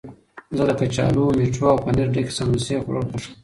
زه د کچالو، مټرو او پنیر ډکې سموسې خوړل خوښوم.